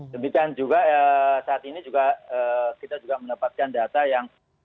demikian juga saat ini juga kita juga mendapatkan data yang